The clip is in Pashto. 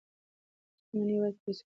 شتمني یوازې په پیسو کې نه ده.